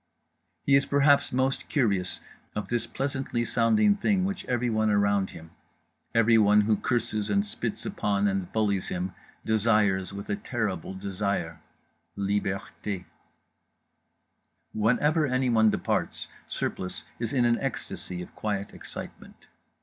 He is perhaps most curious of this pleasantly sounding thing which everyone around him, everyone who curses and spits upon and bullies him, desires with a terrible desire— Liberté. Whenever anyone departs Surplice is in an ecstasy of quiet excitement.